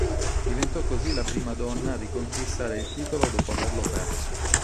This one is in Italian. Diventò così la prima donna a riconquistare il titolo dopo averlo perso.